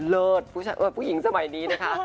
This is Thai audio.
เลิศผู้หญิงสมัยนี้นะคะ